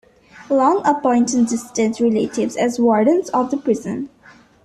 Long appointed distant relatives as wardens of the prison.